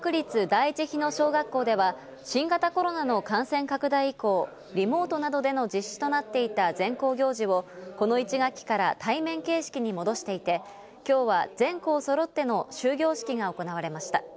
第一日野小学校では、新型コロナの感染拡大以降、リモートなどでの実施となっていた全校行事をこの１学期から対面形式に戻していて今日は全校そろっての終業式が行われました。